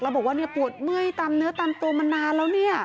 แล้วบอกว่าเนี่ยปวดเมื่อยตามเนื้อตามตัวมานานแล้วเนี่ย